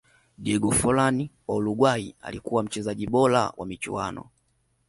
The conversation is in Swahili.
diego forlan wa uruguay alikuwa mchezaji bora wa michuano